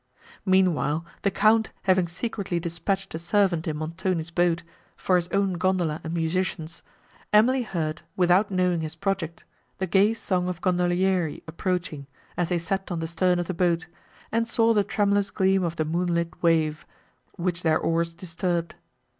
Meanwhile, the Count having secretly dispatched a servant in Montoni's boat, for his own gondola and musicians, Emily heard, without knowing his project, the gay song of gondolieri approaching, as they sat on the stern of the boat, and saw the tremulous gleam of the moonlight wave, which their oars disturbed.